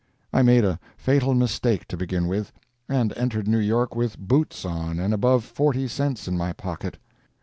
I made a fatal mistake to begin with, and entered New York with boots on and above forty cents in my pocket.